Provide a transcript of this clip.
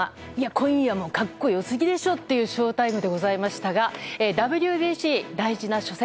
今夜も格好よすぎでしょというショウタイムでございましたがＷＢＣ、大事な初戦。